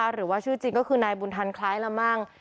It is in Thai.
หรือว่าชื่อจริงก็คือนายบุญทันคล้ายละมั่ง